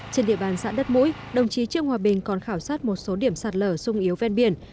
trên địa bàn xã đất mũi đồng chí trương hòa bình còn khảo sát một số điểm sạt lở sung yếu ven biển